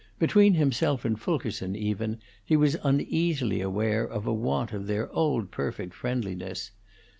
Between himself and Fulkerson, even, he was uneasily aware of a want of their old perfect friendliness.